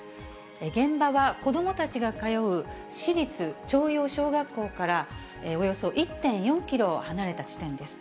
現場は子どもたちが通う市立朝陽小学校から、およそ１．４キロ離れた地点です。